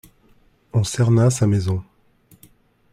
On cerna sa maison.